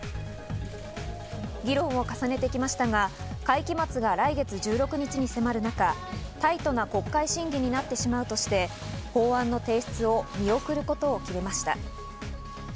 議論を重ねてきましたが、会期末が来月１６日に迫る中、タイトな国会審議になってしまうとして、法案の提出を見送ることを決めました。